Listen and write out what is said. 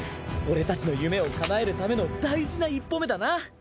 俺たちの夢をかなえるための大事な一歩目だな！